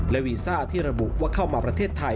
วีซ่าที่ระบุว่าเข้ามาประเทศไทย